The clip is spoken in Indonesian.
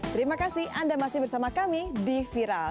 terima kasih anda masih bersama kami di viral